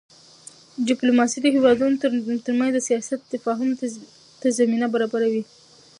ډیپلوماسي د هېوادونو ترمنځ د سیاست تفاهم ته زمینه برابروي.